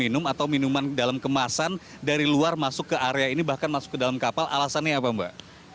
minum atau minuman dalam kemasan dari luar masuk ke area ini bahkan masuk ke dalam kapal alasannya apa mbak